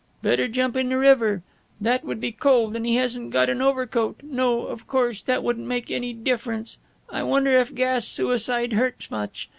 "'Better jump in the river.' That would be cold and he hasn't got an overcoat. No, of course, that wouldn't make any difference "I wonder if gas suicide hurts much?